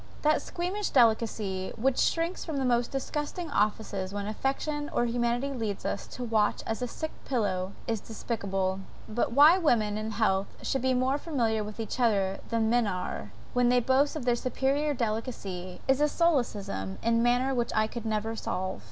That squeamish delicacy which shrinks from the most disgusting offices when affection or humanity lead us to watch at a sick pillow, is despicable. But, why women in health should be more familiar with each other than men are, when they boast of their superiour delicacy, is a solecism in manners which I could never solve.